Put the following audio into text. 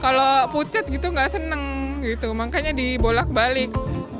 kalau pucat gitu nggak seneng gitu makanya dibolak balik